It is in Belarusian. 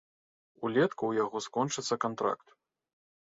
Улетку ў яго скончыцца кантракт.